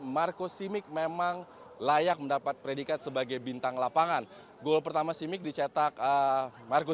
marco simic memang layak mendapat predikat sebagai bintang lapangan gol pertama simic dicetak marco